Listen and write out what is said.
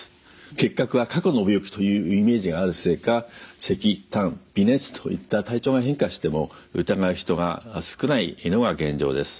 結核は過去の病気というイメージがあるせいかせきたん微熱といった体調が変化しても疑う人が少ないのが現状です。